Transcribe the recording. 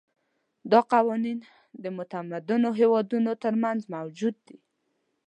دا قوانین د متمدنو هېوادونو ترمنځ موجود دي.